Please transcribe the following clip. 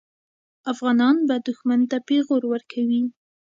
افغانان به دښمن ته پېغور ورکوي.